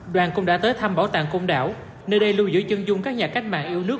đoàn cũng đã tới thăm bảo tàng công đảo nơi đây lưu giữ chân dung các nhà cách mạng yêu nước